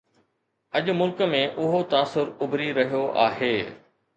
اڄ ملڪ ۾ اهو تاثر اڀري رهيو آهي